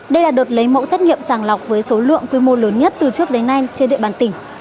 đây là đợt lấy mẫu xét nghiệm sàng lọc với số lượng quy mô lớn nhất từ trước đến nay trên địa bàn tỉnh